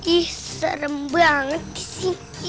ih serem banget disini